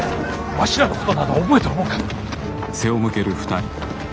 わしらのことなど覚えとるもんか。